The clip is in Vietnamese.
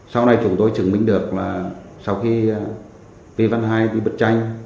sau này chúng tôi chứng minh được là sau khi vi văn hai đi bật tranh